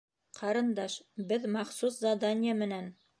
Ҡарындаш беҙ... махсус заданья менән.